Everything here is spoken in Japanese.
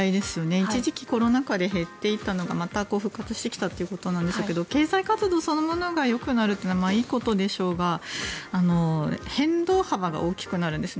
一時期コロナ禍で減っていたのがまた復活してきたということなんでしょうけど経済活動そのものがよくなるというのはいいことでしょうが変動幅が大きくなるんですよね。